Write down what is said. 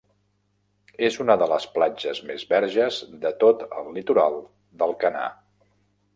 És una de les platges més verges de tot el litoral d'Alcanar.